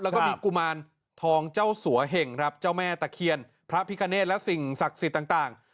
แล้วก็มีกุมารทองเจ้าสัวเห่งครับเจ้าแม่ตะเคียนพระพิคเนธและสิ่งศักดิ์สิทธิ์ต่าง